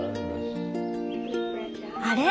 あれ？